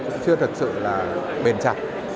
cũng chưa thực sự bền chặt